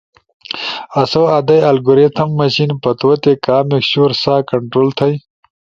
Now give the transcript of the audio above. آسو ادئی الگوریتھم مشین پتوتے کامک شور سا کنٹرول تھئی۔